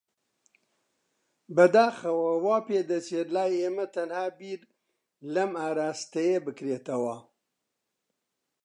بەداخەوە، وا پێدەچێت لای ئێمە تەنها بیر لەم ئاراستەیە بکرێتەوە.